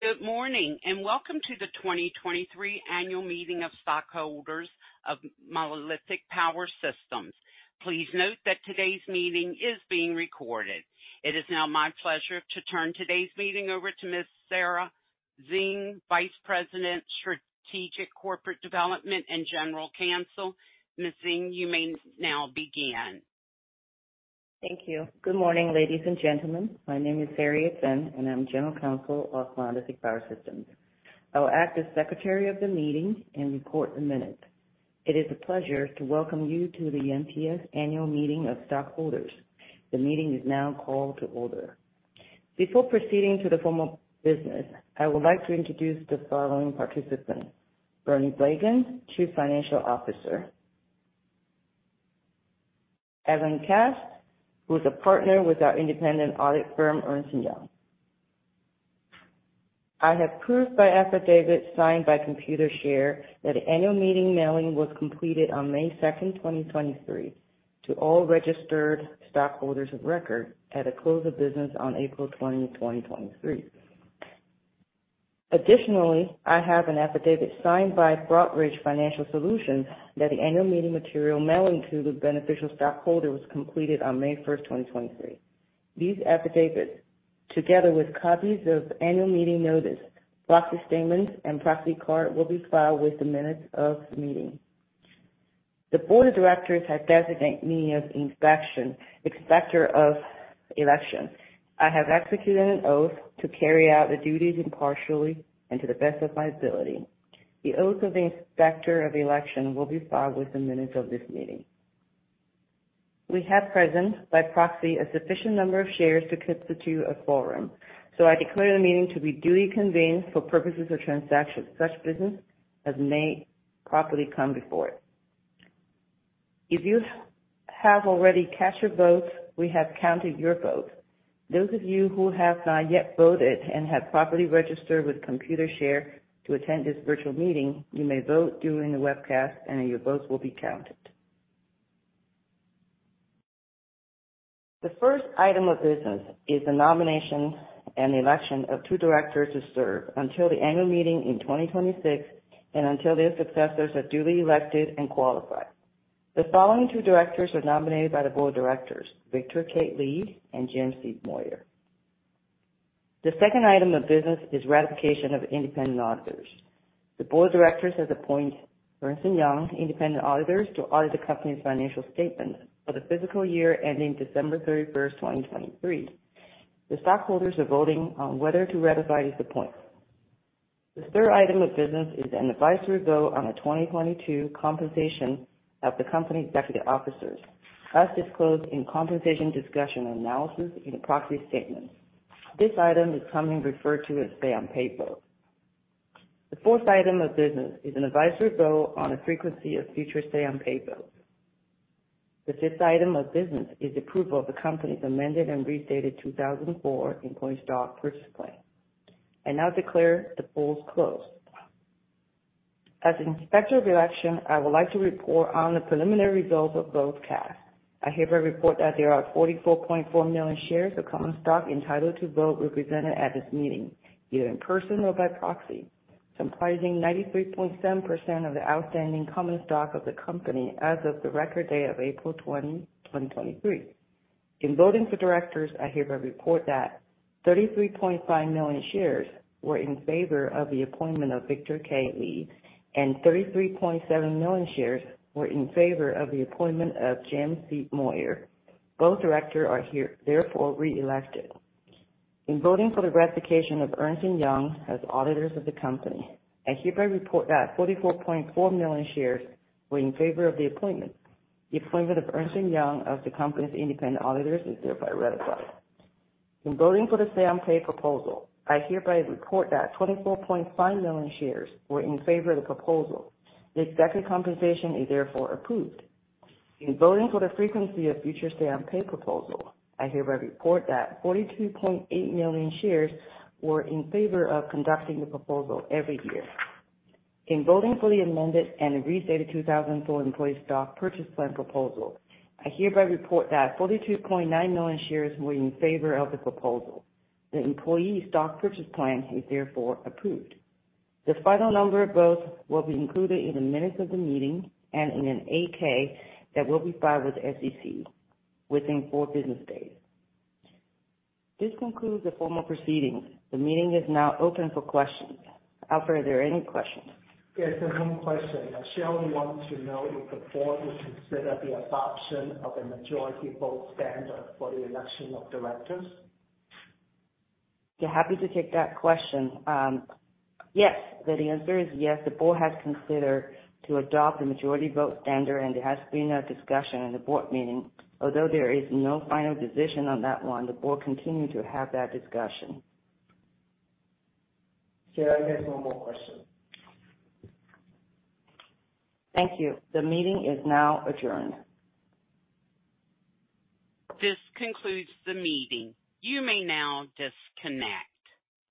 Good morning, welcome to the 2023 annual meeting of stockholders of Monolithic Power Systems. Please note that today's meeting is being recorded. It is now my pleasure to turn today's meeting over to Ms. Saria Tseng, Vice President, Strategic Corporate Development and General Counsel. Ms. Tseng, you may now begin. Thank you. Good morning, ladies and gentlemen. My name is Saria Tseng, and I'm General Counsel of Monolithic Power Systems. I will act as secretary of the meeting and report the minutes. It is a pleasure to welcome you to the MPS Annual Meeting of Stockholders. The meeting is now called to order. Before proceeding to the formal business, I would like to introduce the following participants: Bernie Blegen, Chief Financial Officer; Evan Kass, who is a Partner with our independent audit firm, Ernst & Young. I have proof by affidavit, signed by Computershare, that the annual meeting mailing was completed on May 2nd, 2023, to all registered stockholders of record at the close of business on April 20th, 2023. Additionally, I have an affidavit signed by Broadridge Financial Solutions that the annual meeting material mailing to the beneficial stockholder was completed on May 1st, 2023. These affidavits, together with copies of the annual meeting notice, proxy statements, and proxy card, will be filed with the minutes of the meeting. The board of directors has designated me as Inspector of Election. I have executed an oath to carry out the duties impartially and to the best of my ability. The oath of the Inspector of Election will be filed with the minutes of this meeting. We have present, by proxy, a sufficient number of shares to constitute a quorum, so I declare the meeting to be duly convened for purposes of transaction, such business as may properly come before it. If you have already cast your vote, we have counted your vote. Those of you who have not yet voted and have properly registered with Computershare to attend this virtual meeting, you may vote during the webcast and your votes will be counted. The first item of business is the nomination and election of two directors to serve until the annual meeting in 2026 and until their successors are duly elected and qualified. The following two directors are nominated by the board of directors, Victor K. Lee and James C. Moyer. The second item of business is ratification of independent auditors. The board of directors has appointed Ernst & Young independent auditors to audit the company's financial statements for the fiscal year ending December 31st, 2023. The stockholders are voting on whether to ratify the appointment. The third item of business is an advisory vote on the 2022 compensation of the company's executive officers, as disclosed in compensation discussion and analysis in the proxy statement. This item is sometimes referred to as Say-on-Pay vote. The fourth item of business is an advisory vote on the frequency of future Say-on-Pay votes. The fifth item of business is approval of the company's amended and restated 2004 Employee Stock Purchase Plan. I now declare the polls closed. As Inspector of Election, I would like to report on the preliminary results of votes cast. I hereby report that there are 44.4 million shares of common stock entitled to vote represented at this meeting, either in person or by proxy, comprising 93.7% of the outstanding common stock of the company as of the record day of April 20, 2023. In voting for directors, I hereby report that 33.5 million shares were in favor of the appointment of Victor K. Lee, and 33.7 million shares were in favor of the appointment of James C. Moyer. Both directors are here, therefore, reelected. In voting for the ratification of Ernst & Young as auditors of the company, I hereby report that 44.4 million shares were in favor of the appointment. The appointment of Ernst & Young of the company's independent auditors is thereby ratified. In voting for the Say-on-Pay proposal, I hereby report that 24.5 million shares were in favor of the proposal. The executive compensation is therefore approved. In voting for the frequency of future Say-on-Pay proposal, I hereby report that 42.8 million shares were in favor of conducting the proposal every year. In voting for the amended and restated 2004 Employee Stock Purchase Plan proposal, I hereby report that 42.9 million shares were in favor of the proposal. The Employee Stock Purchase Plan is therefore approved. The final number of votes will be included in the minutes of the meeting and in an 8-K that will be filed with the SEC within four business days. This concludes the formal proceedings. The meeting is now open for questions. Alfred, are there any questions? Yes, there's one question. Shelly wants to know if the board has considered the adoption of a majority vote standard for the election of directors? I'm happy to take that question. Yes. The answer is yes. The board has considered to adopt a majority vote standard, and there has been a discussion in the board meeting. Although there is no final decision on that one, the board continue to have that discussion. Yeah, I have one more question. Thank you. The meeting is now adjourned. This concludes the meeting. You may now disconnect.